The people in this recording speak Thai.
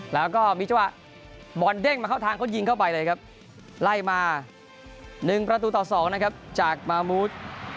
แล้วก็มีจังหวะบอลเด้งมาเข้าทางเขายิงเข้าไปเลยครับไล่มา๑ประตูต่อ๒นะครับจากมามูธ